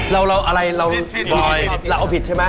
เราอะไรเราเอาติดเพลงที่ผิดใช่ไหม